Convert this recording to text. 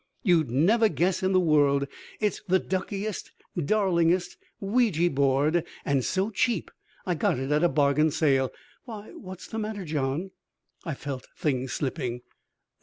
"You'd never guess in the world. It's the duckiest, darlingest Ouija board, and so cheap! I got it at a bargain sale. Why, what's the matter, John?" I felt things slipping.